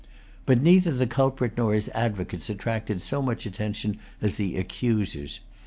But neither the culprit nor his advocates attracted so much notice as the accusers.